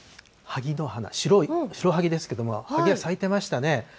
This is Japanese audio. ハギの花、白い、シロハギですけれども、ハギが咲いてましたね。